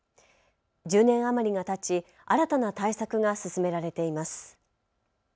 １０年余りがたち新たな対策が進められています。